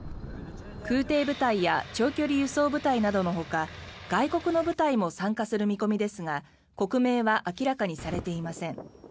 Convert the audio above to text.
空挺部隊や長距離輸送部隊などのほか外国の部隊も参加する見込みですが国名は明らかにされていません。